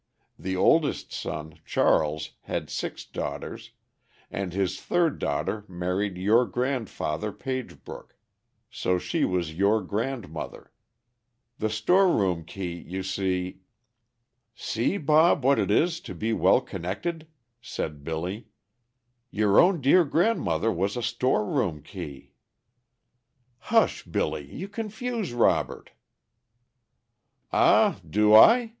The oldest son, Charles, had six daughters, and his third daughter married your grandfather Pagebrook, so she was your grandmother the store room key, you see " "See, Bob, what it is to be well connected," said Billy; "your own dear grandmother was a store room key." "Hush, Billy, you confuse Robert." "Ah! do I?